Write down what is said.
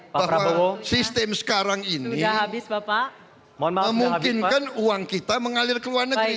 bahwa sistem sekarang ini memungkinkan uang kita mengalir ke luar negeri